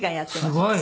すごい！